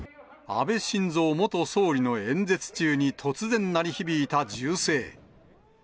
安倍晋三元総理の演説中に突然鳴り響いた銃声。